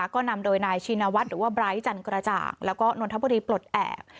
ก็นำโดยนายชินวัฒน์หรือว่าไบร์ทจันกระจ่างแล้วก็นนทบุรีปลดแอบ